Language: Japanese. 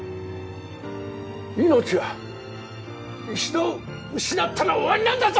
命は一度失ったら終わりなんだぞ！